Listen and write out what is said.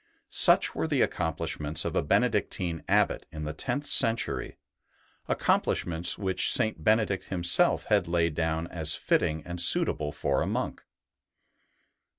Such were the accomplishments of a Benedictine Abbot in the tenth century, accomplishments which St. Benedict himself had laid down as fitting and suitable for a monk.